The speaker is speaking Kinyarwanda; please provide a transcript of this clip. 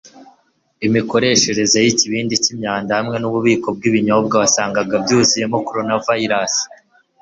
Imikoreshereze yikibindi cyimyanda hamwe nububiko bwibinyobwa wasangaga byuzuyemo coronavirus